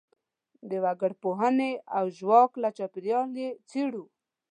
د وګړپوهنې او ژواک له چاپیریال یې څېړو.